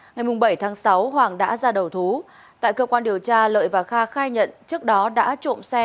ngày bảy tháng sáu hoàng đã ra đầu thú tại cơ quan điều tra lợi và kha khai nhận trước đó đã trộm xe